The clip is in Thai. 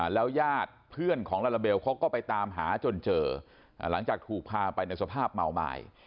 แล้วญาติเพื่อนของลาลาเบลเขาก็ไปตามหาจนเจอหลังจากถูกพาไปในสภาพเมาไม้